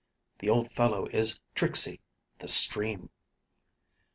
The old fellow is tricksy the stream!"